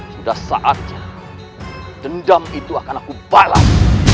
sudah saatnya dendam itu akan aku balas